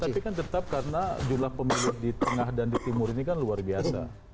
tapi kan tetap karena jumlah pemilih di tengah dan di timur ini kan luar biasa